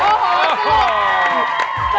เข้าโรบ